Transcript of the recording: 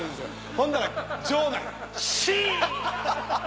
ほんなら場内シン！